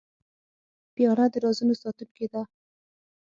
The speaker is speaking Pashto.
پیاله د رازونو ساتونکې ده.